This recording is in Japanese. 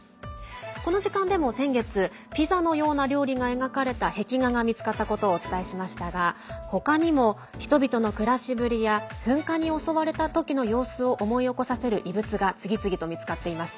この時間でも先月、ピザのような料理が描かれた壁画が見つかったことをお伝えしましたが他にも人々の暮らしぶりや噴火に襲われた時の様子を思い起こさせる遺物が次々と見つかっています。